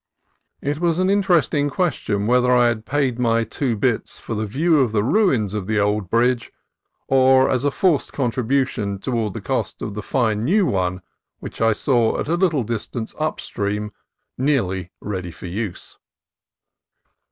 It was an interesting question whether I had paid my "two bits" for the view of the ruins of the old bridge, or as a forced contribution toward the cost of the fine new one which I saw at a little distance upstream, nearly ready for use.